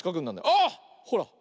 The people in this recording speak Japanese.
あ！ほら。